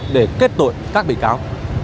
để kết tội các bị cáo